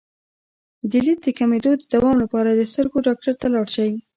د لید د کمیدو د دوام لپاره د سترګو ډاکټر ته لاړ شئ